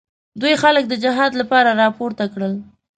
دوی خلک د جهاد لپاره راپورته کړل.